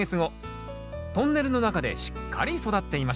トンネルの中でしっかり育っていました。